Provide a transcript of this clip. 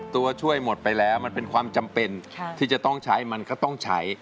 ตัวช่วยหมดไปแล้วมันเป็นความจำเป็นที่จะต้องใช้มันก็ต้องใช้